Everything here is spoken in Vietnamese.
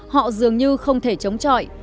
họ dường như không thể chống chọi